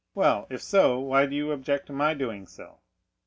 Well, if so, why do you object to my doing so?"